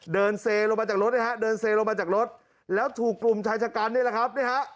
เซลงมาจากรถนะฮะเดินเซลงมาจากรถแล้วถูกกลุ่มชายชะกันนี่แหละครับนี่ฮะ